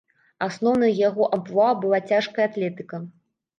Асноўным яго амплуа была цяжкая атлетыка.